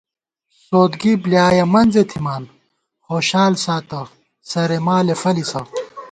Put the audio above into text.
سودگی بۡلیایَہ منزے تھِمان، خوشال ساتہ سرے مالےفلِسہ